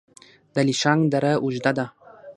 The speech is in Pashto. د الیشنګ دره اوږده ده